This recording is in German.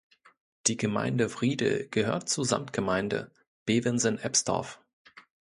Die Gemeinde Wriedel gehört zur Samtgemeinde Bevensen-Ebstorf.